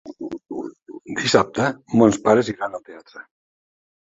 Dissabte mons pares iran al teatre.